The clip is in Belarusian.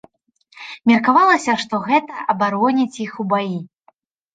Меркавалася, што гэта абароніць іх у баі.